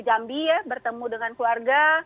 jambi ya bertemu dengan keluarga